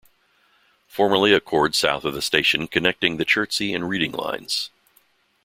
Formerly a chord south of the station connected the Chertsey and Reading lines.